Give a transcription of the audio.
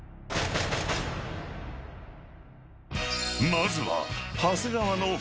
［まずは］